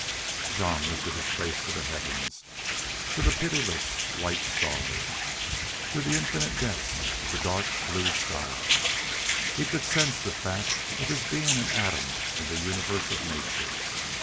Jean lifted his face to the heavens, to the pitiless white stars, to the infinite depths of the dark blue sky. He could sense the fact of his being an atom in the universe of nature.